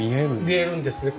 見えるんですね。